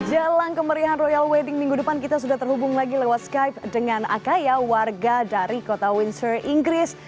jalan kemeriahan royal wedding minggu depan kita sudah terhubung lagi lewat skype dengan akaya warga dari kota windsor inggris